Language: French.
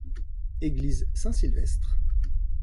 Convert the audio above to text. Église Saint-Sylvestre.